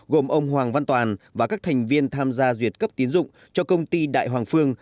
gồm ông hoàng văn toàn và các thành viên tham gia duyệt cấp tiến dụng cho công ty đại hoàng phương